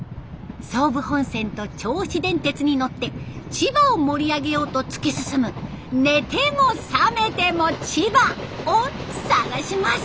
総武本線と銚子電鉄に乗って千葉を盛り上げようと突き進む「寝ても覚めても千葉」を探します。